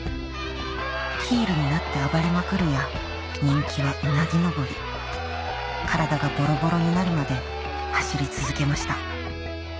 ヒールになって暴れまくるや人気はうなぎ上り体がボロボロになるまで走り続けました